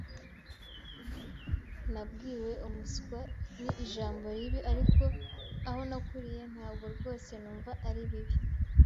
Nabwiwe "umuswa" ni ijambo ribi, ariko aho nakuriye ntabwo rwose numva ari bibi.